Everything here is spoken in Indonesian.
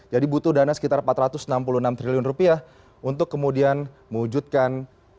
jadi butuh dana sekitar empat ratus enam puluh enam triliun rupiah untuk kemudian mewujudkan